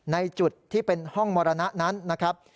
ในจุดที่เป็นห้องมรณะนั้นนะครับ